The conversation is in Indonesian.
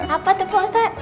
apa tuh pak ustaz